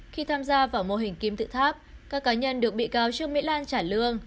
khi tham gia vào mô hình kim tự tháp các cá nhân được bị cáo trương mỹ lan trả lương